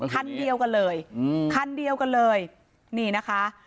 คันเดียวกันเลยอืมคันเดียวกันเลยนี่นะคะ